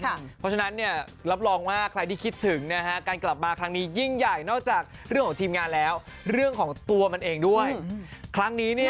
เพราะฉะนั้นเนี่ยรับรองว่าใครที่คิดถึงนะฮะการกลับมาครั้งนี้ยิ่งใหญ่นอกจากเรื่องของทีมงานแล้วเรื่องของตัวมันเองด้วยครั้งนี้เนี่ย